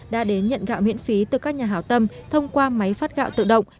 đã đến nhận gạo miễn phí từ các nhà hảo tâm thông qua máy phát gạo tự động